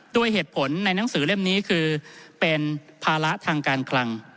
ด้วยเหตุผลในหนังสือเล่มนี้คือเป็นภาระทางการคลัง